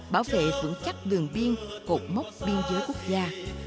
bảo vệ vững chắc đường biên cột mốc biên giới quốc gia